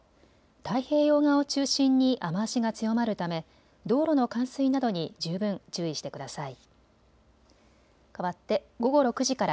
太平洋側を中心に雨足が強まるため道路の冠水などに十分注意してください。